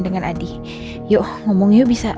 dengan adik yuk ngomong yuk bisa